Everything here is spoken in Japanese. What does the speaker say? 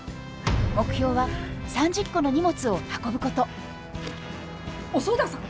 目標は３０個の荷物を運ぶこと遅田さん？